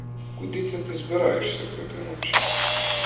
Куди це ти збираєшся проти ночі?